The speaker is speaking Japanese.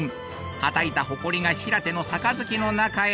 はたいた埃が平手の杯の中へ。